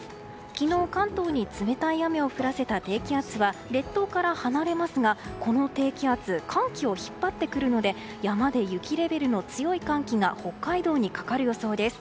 昨日、関東に冷たい雨を降らせた低気圧は列島から離れますがこの低気圧が寒気を引っ張ってくるので山で雪レベルの強い寒気が北海道にかかる予想です。